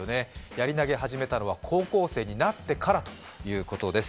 やり投げを始めたのは高校生になってからということです。